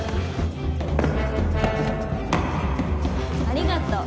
ありがとう。